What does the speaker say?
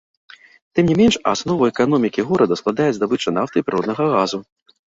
Тым не менш, аснову эканомікі горада складае здабыча нафты і прыроднага газу.